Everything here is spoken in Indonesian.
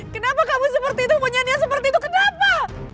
kenapa kamu seperti itu punyanya seperti itu kenapa